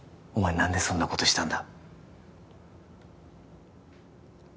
何でそんなことしたんだ？